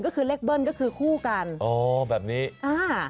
ก็คือเลขเบิ้ลก็คือคู่กันอ๋อแบบนี้อ่า